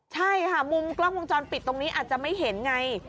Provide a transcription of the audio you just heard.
ใช่ค่ะมุมกล้องวงจรปิดตรงนี้อาจจะไม่เห็นไง